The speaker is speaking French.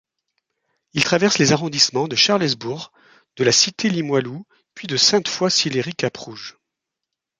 Il traverse les arrondissements de Charlesbourg, de La Cité-Limoilou, puis de Sainte-Foy-Sillery-Cap-Rouge.